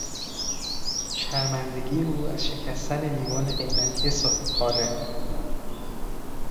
شرمندگی او از شکستن لیوان قیمتی صاحب خانه